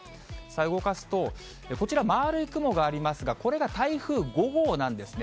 動かすと、こちら、丸い雲がありますが、これが台風５号なんですね。